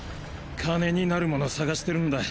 金になるもの探してるんだ。